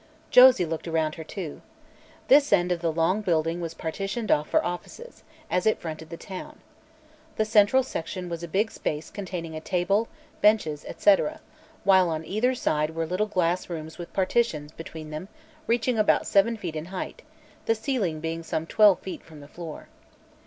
So Josie looked around her, too. This end of the long building was partitioned off for offices, as it fronted the town. The central section was a big space containing a table, benches, etc., while on either side were little glass rooms with partitions between them reaching about seven feet in height, the ceiling being some twelve feet from the floor.